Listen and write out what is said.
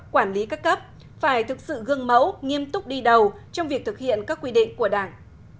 quản lý các cấp phải thực sự gương mẫu nghiêm túc đi đầu trong việc thực hiện các quy định của đảng